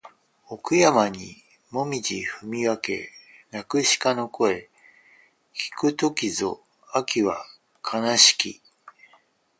奥山にもみぢ踏み分け鳴く鹿の声聞く時ぞ秋は悲しき